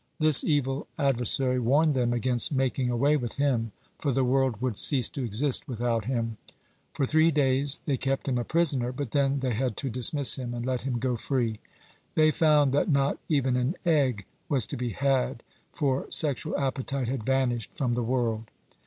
This evil adversary warned them against making away with him, for the world would cease to exist without him. For three days they kept him a prisoner, but then they had to dismiss him and let him go free. They found that not even an egg was to be had, for sexual appetite had vanished from the world.